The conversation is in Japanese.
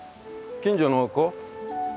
近所の子？